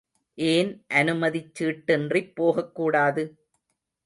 ஏன் அனுமதிச் சீட்டின்றிப் போகக்கூடாது?